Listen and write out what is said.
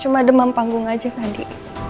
cuma demam panggung aja tadi